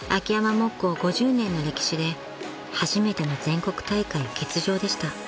木工５０年の歴史で初めての全国大会欠場でした］